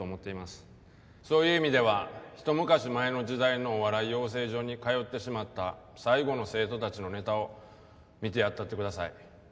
そういう意味ではひと昔前の時代のお笑い養成所に通ってしまった最後の生徒たちのネタを見てやったってください。